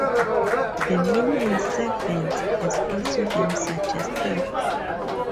The meaning "servants" has also been suggested.